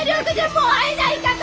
もう会えないかと。